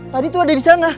tadi tuh ada disana